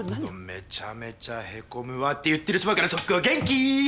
めちゃめちゃヘコむわって言ってるそばからソッコー元気！